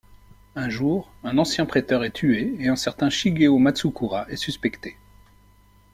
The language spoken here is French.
Un jour, un ancien prêteur est tué et un certain Shigeo Matsukura est suspecté.